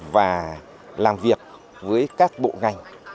và làm việc với các bộ ngành